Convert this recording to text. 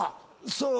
そう。